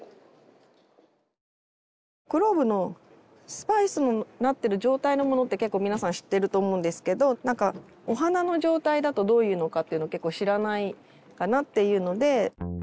クローブのスパイスになってる状態のものって結構皆さん知っていると思うんですけどお花の状態だとどういうのかっていうの結構知らないかなっていうので。